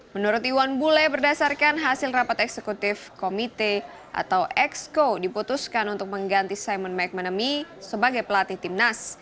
menurut iwan bule berdasarkan hasil rapat eksekutif komite atau exco diputuskan untuk mengganti simon mcmanamy sebagai pelatih timnas